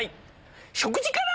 食事から！